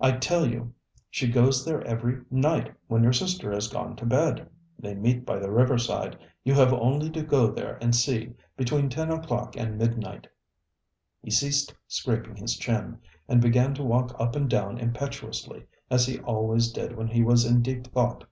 I tell you, she goes there every night when your sister has gone to bed. They meet by the river side; you have only to go there and see, between ten o'clock and midnight. ŌĆØ He ceased scraping his chin, and began to walk up and down impetuously, as he always did when he was in deep thought.